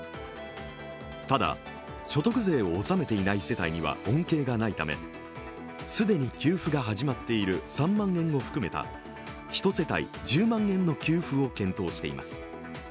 ただ、所得税を納めていない世帯には恩恵がないため、既に給付が始まっている３万円を含めた１世帯１０万円の給付を検討しています。